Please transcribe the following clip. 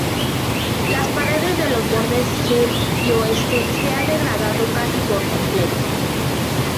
Las paredes de los bordes sur y oeste se han degradado casi por completo.